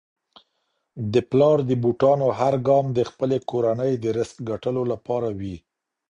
د پلار د بوټانو هر ګام د خپلې کورنی د رزق ګټلو لپاره وي.